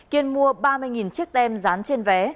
kiên mua ba mươi chiếc tem dán trên vé